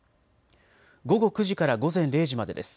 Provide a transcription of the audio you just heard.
午後９時から午前０時までです。